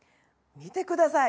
見てください